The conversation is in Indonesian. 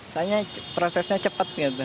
soalnya prosesnya cepat